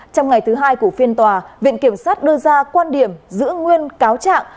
trong ngày thứ hai của phiên tòa viện kiểm sát đưa ra quan điểm giữ nguyên cáo trạng